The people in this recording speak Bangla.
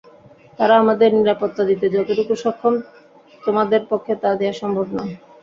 তারা আমাদের নিরাপত্তা দিতে যতটুকু সক্ষম, তোমাদের পক্ষে তা দেয়া সম্ভব নয়।